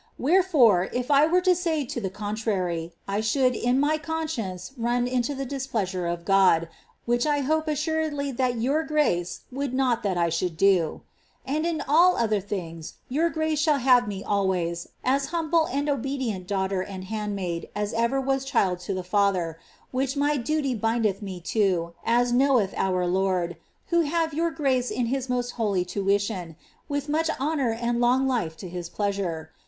Wherefore, if I were to say to the coik trary, I should in my conMsicnee run into the displeasure of God, which I hope asiiurtMlly that your grace wouUl not tliat I should do. "^And in all otlici thini(s your grncc shall have me always, as humble and obedient daughter and haiulnmid as over was child to the father, which my duty bindeth me to, as knoweth our Lord, who have your grace in his mo:<t holy tuition, with much honour and long life to hin pleasure.